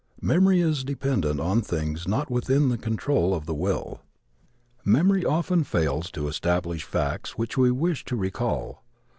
Memory is dependent on things not within the control of the will. Memory often fails to establish facts which we wish to recall.